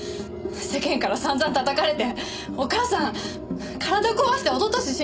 世間からさんざん叩かれてお母さん体壊して一昨年死んだ。